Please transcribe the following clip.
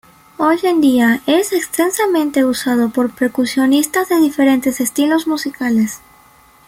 Hoy en día es extensamente usado por percusionistas de diferentes estilos musicales.